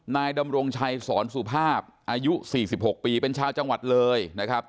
นายดำรงชัยสอนสุภาพอายุ๔๖ปีเป็นชาวจังหวัดเลยนะครับ